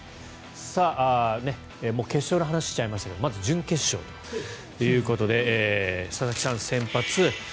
もう決勝の話をしちゃいましたがまず準決勝ということで佐々木さん、先発。